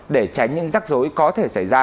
để tránh những rắc rối có thể xảy ra